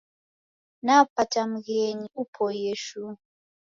Napata mghenyi upoie shuu.